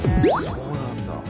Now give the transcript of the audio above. そうなんだ。